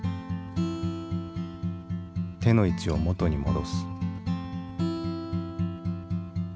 手の位置を元に戻す。